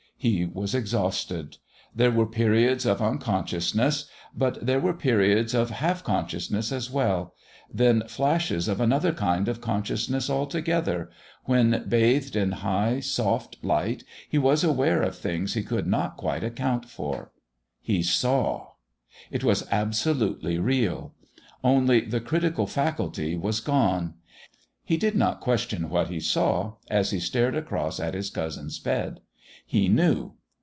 He was exhausted. There were periods of unconsciousness, but there were periods of half consciousness as well; then flashes of another kind of consciousness altogether, when, bathed in high, soft light, he was aware of things he could not quite account for. He saw. It was absolutely real. Only, the critical faculty was gone. He did not question what he saw, as he stared across at his cousin's bed. He knew.